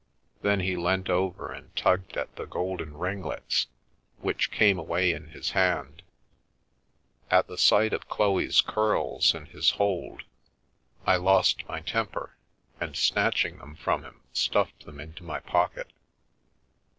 Then he leant over and tugged at the golden ringlets, which came away in his hand. At the sight of Chloe's curls in his hold I lost my temper, and snatching them from him stuffed them into my pocket.